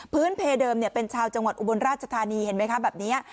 พื้นเพลเดิมเนี่ยเป็นชาวจังหวัดอุบลราชธานีเห็นไหมคะแบบเนี้ย